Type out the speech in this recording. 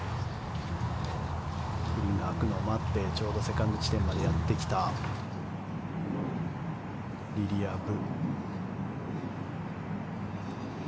グリーンが空くのを待ってちょうどセカンド地点にやってきたリリア・ブ。